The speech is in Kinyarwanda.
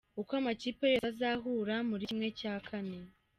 Uko amakipe yose azahura muri ¼ .